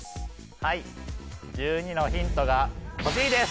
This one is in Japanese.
はい１２のヒントが欲しいです！